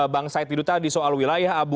bang said widuta di soal wilayah